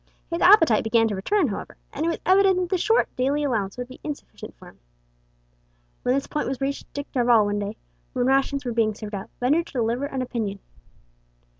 His appetite began to return, however, and it was evident that the short daily allowance would be insufficient for him. When this point was reached Dick Darvall one day, when rations were being served out, ventured to deliver an opinion.